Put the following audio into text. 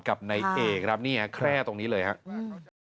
กับในเอกแค่ตรงนี้เลยครับ